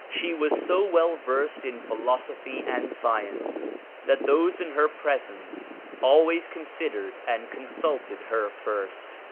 She was so well versed in philosophy and science that those in her presence always considered and consulted her first.